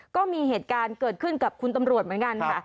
ก็มีเหตุการณ์เกิดขึ้นกับคุณตำรวจเหมือนกันค่ะ